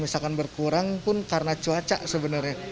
misalkan berkurang pun karena cuaca sebenarnya